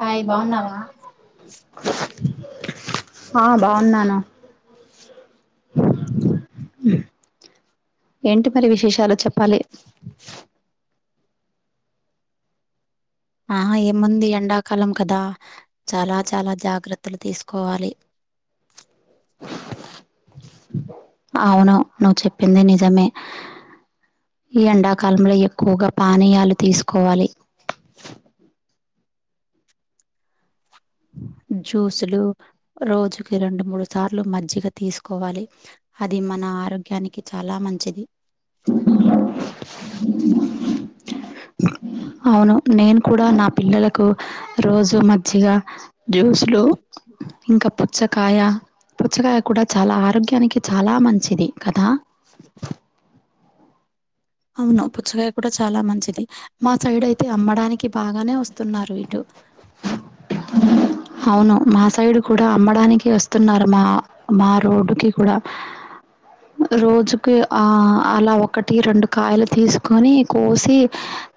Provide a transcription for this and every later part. Hi బాగున్నావా ఆ బాగున్నాను ఉహ్ ఏంటి మరి విశేషాలు చెప్పాలి [inaudible] ఆహా ఏముంది ఎండాకాలం కదా చాలా చాలా జాగ్రత్తలు తీసుకోవాలి అవును నువ్ చెప్పింది నిజమే ఈ ఎండాకాలంలో ఎక్కువగా పానీయాలు తీసుకు కోవాలి జ్యూసులు రోజుకి రెండు మూడు మంచిగా తీసుకోవాలి అది మన ఆరోగ్యానికి చాలా మంచిది. అవును నేను కూడా నా పిల్లలకు రోజు మజ్జిగా జ్యూస్లు ఇంకా పుచ్చకాయ పుచ్చకాయ కూడా చాలా ఆరోగ్యానికి చాలా మంచిది కదా అవును పుచ్చుగాడ చాలా మంచిది మా సైడ్ అయితే అమ్మడానికి బాగానే వస్తున్నారు అవును మా సైడ్ కూడా అమ్మడానికి వస్తున్నారు మా మా రోడ్డుకి కూడా రోజుకి ఆ అలా ఒకటి రెండు కాయలు తీసుకొని కోసి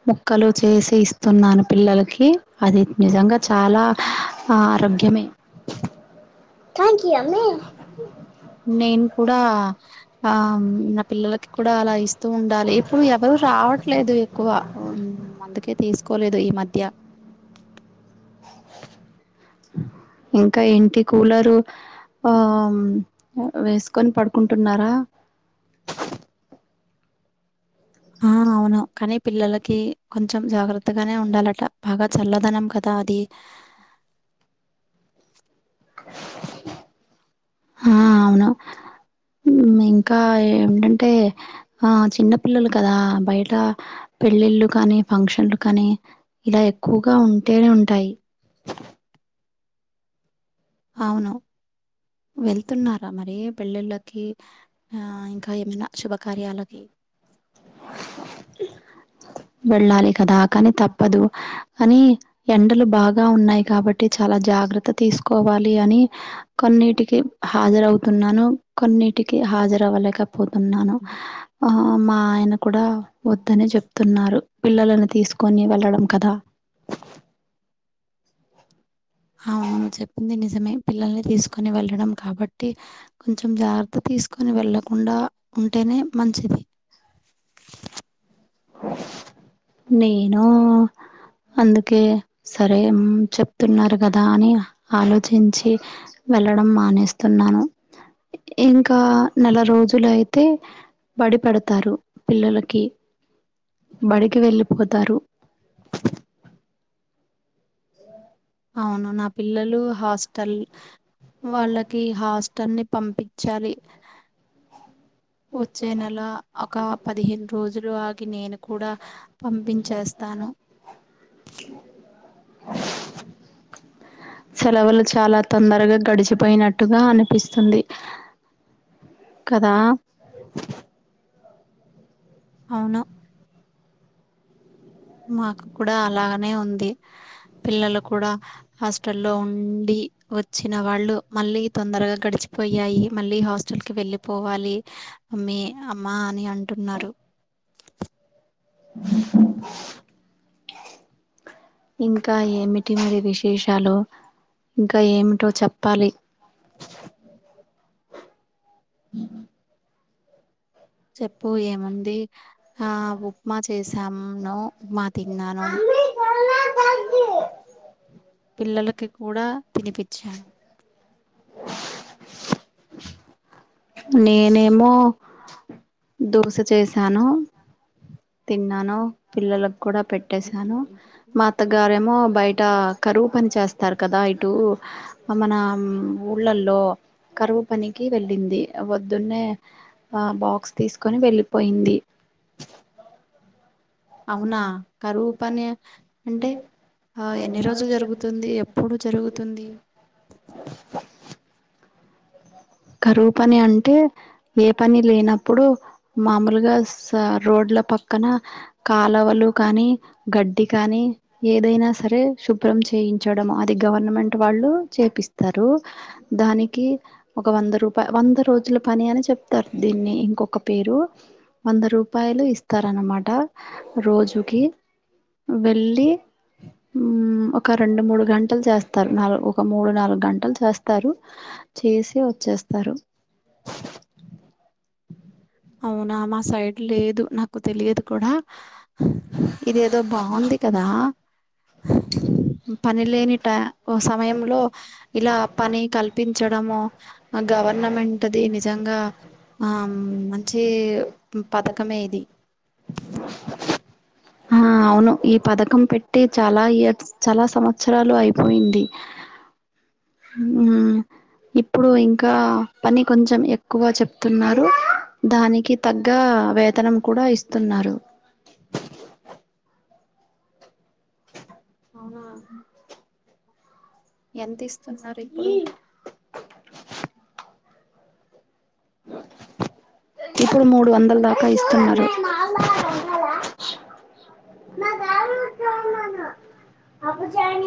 ముక్కలు చేసి ఇస్తున్నాను పిల్లలకి అది నిజంగా చాలా ఆరోగ్యమే. నేను కూడా ఆ నా పిల్లలకి కూడా అలా ఇస్తూ ఉ ఉండాలి ఇప్పుడు ఎవరు రావట్లేదు ఎక్కువ అందుకే తీసుకోలేదు ఈ మధ్య యా ఇంకా ఏంటి కూలరు ఆ వేసుకొని పడుకుంటున్నారా ఆ అవును కానీ పిల్లలకి కొంచెం జాగ్రత్తగానే ఉండాలట బాగా చల్లదనం కదా అది ఆ అవును ఇంకా ఏంటంటే ఆ చిన్న పిల్లలు కదా బయట పెళ్ళిళ్ళు కానీ ఫంక్షన్లు కానీ ఇలా ఎక్కువగా ఉంటేనే ఉంటాయి వెళ్ళాలి కదా కానీ తప్పదు కానీ ఎండలు బాగా ఉన్నాయి కాబట్టి చాలా జాగ్రత్త తీసుకు కోవాలి అని కొన్నిటికి హాజరవుతున్నాను కొన్నిటికి హాజర అవ్వలేకపో పోతున్నాను ఆ మా ఆయన కూడా వద్దని చెప్తున్నారు పిల్లలను తీసుకొని వెళ్ళడం కదా అవునను చెప్పింది నిజమే పిల్లల్ని తీసుకొని వెళ్ళడం కాబట్టి కొంచెం జాగ్రత్త తీసుకొని వెళ్ళకుండా ఉంటేనే మంచిది. నేను అందుకే సరే ఉమ్ చెప్తున్నారు కదా అని ఆలోచించి వెళ్ళడం మానేస్తున్నాను ఇంకా నెల రోజులు లోయితే బడి పెడతారు పిల్లలకి బడికి వెళ్ళిపోతారు అవును నా పిల్లలు హాస్టల్ వాళ్ళకి హాస్టల్ ని పంపించాలి వచ్చే నెల ఒక పదిహేను రోజులు ఆగి నేను కూడా పంపించేస్తాను. సెలవులు చాలా తొందరగా గడిచిపోయినట్టుగా అనిపిస్తుంది కదా అవును మాకు కూడా అలానే ఉంది పిల్లలు కూడా హాస్టల్లో ఉండి వచ్చిన వాళ్ళు మళ్ళీ తొందరగా గడిచిపోయాయి మళ్ళీ హాస్టల్ కి వెళ్ళి పోవాలి మమ్మీ అమ్మా అని అంటున్నారు ఇంకా ఏమిటి మరి విష ఏషాలు ఇంకా ఏమిటో చప్ కాళీ చెప్పు ఏముంది ఆ ఉప్మా చేశాను ఉప్మా తిన్నాను పిల్లలకి కూడా తినిపిచ్చాను నేనేమో దోస చేశాను తిన్నాను పిల్లలక్ కూడా పెట్టేసాను మా అత్తగారేమో బయట్ టా కరువు పని చేస్తారు కదా ఇటు మన ఊళ్ళలో కరువు పనికి వెళ్ళింది వద్దున్నే ఆ బాక్స్ తీసుకొని వెళ్ళిపోయింది అవునా కరువు పని అంటే ఆ ఎన్ని రోజులు జరుగుతుంది ఎప్పుడు జరుగుతుంది కరువు పని అంటే ఏ పని లేనప్పుడు మామూలుగా స్ తా రోడ్ల పక్కన కాలవలు కానీ గడ్డి కానీ ఏదైనా సరే శుబ్ బ్రం చేయించడం అది గవర్నమెంట్ వాళ్ళు చేపిస్తారు దానికి ఒక వంద రూపై వంద రోజుల పని అని చెప్తారు దీన్ని ఇంకొక పేరు వంద రూపాయలు ఇస్తారన్నమాట రోజుకి వెళ్ళి ఉమ్ ఒక రెండు మూడు గంటలు చేస్తారు నాలుగు ఒక మూడు నాలుగు గంటలు చేస్తారు చేస్ సి వచ్చేస్తరు అవునా మా సైడ్ లేదు నాకు తెలియదు కూడా ఇది ఏదో బావుంది కదా పని లేని ట్యా ఓ సమయంలో ఇలా పని కల్పించడము గవర్నమెంట్ ది నిజంగా ఆమ్ మం చ్చి ఉమ్ పథకమే ఇది ఆ అవును ఈ పథకం పెట్టి చాలా ఇయర్ చాలా సంవత్సరాలు అయిపోయింది ఇప్పుడు ఇంకా పని కొంచెం ఎక్కువ చెప్తున్నారు దానికి తగ్గ వేతనం కూడా ఇస్తున్నారు అవునా ఎ తీసుకున్నారు ఈ ఇప్పుడు మూడు వందల దాకా ఇస్తున్నారు నాను అబా